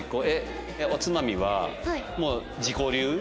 えっおつまみはもう自己流？